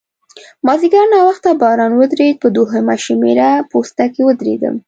مازیګر ناوخته باران ودرېد، په دوهمه شمېره پوسته کې ودرېدم.